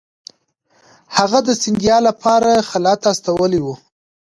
هغه د سیندیا لپاره خلعت استولی وو.